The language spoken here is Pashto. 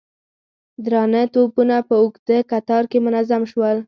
درانه توپونه په اوږده کتار کې منظم شول.